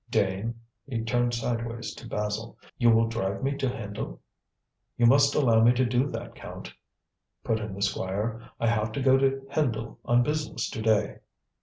Dane," he turned sideways to Basil, "you will drive me to Hendle?" "You must allow me to do that, Count," put in the Squire. "I have to go to Hendle on business to day."